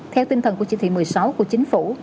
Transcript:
theo tinh thần của chỉ thị một mươi sáu của chính phủ